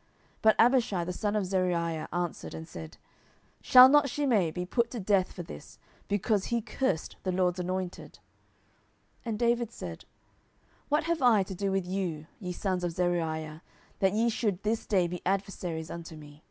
10:019:021 But Abishai the son of Zeruiah answered and said, Shall not Shimei be put to death for this, because he cursed the LORD's anointed? 10:019:022 And David said, What have I to do with you, ye sons of Zeruiah, that ye should this day be adversaries unto me?